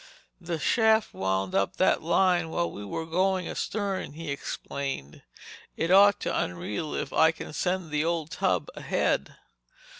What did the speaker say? "The shaft wound up that line while we were going astern," he explained. "It ought to unreel if I can send the old tub ahead."